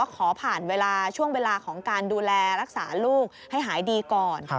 ขอผ่านเวลาช่วงเวลาของการดูแลรักษาลูกให้หายดีก่อน